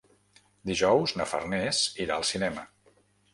Dijous na Farners irà al cinema.